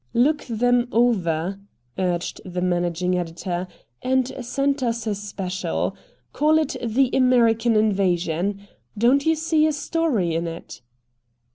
"Look them over," urged the managing editor, "and send us a special. Call it 'The American Invasion.' Don't you see a story in it?"